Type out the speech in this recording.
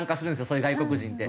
そういう外国人って。